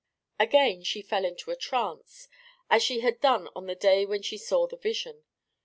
Again she fell into a trance, as she had done on the day when she saw the vision.